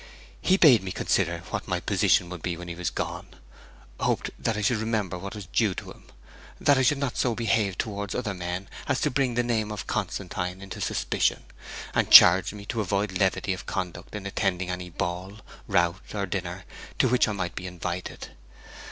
He bade me consider what my position would be when he was gone; hoped that I should remember what was due to him, that I would not so behave towards other men as to bring the name of Constantine into suspicion; and charged me to avoid levity of conduct in attending any ball, rout, or dinner to which I might be invited.